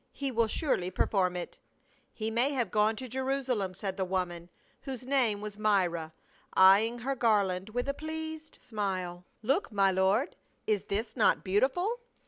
He will surely perform it." " He may have gone to Jerusalem," said the woman, whose name was Myra, eying her garland with a pleased THE ROSE OF LEBANON. 71 smile. " Look, my lord, is this not beautiful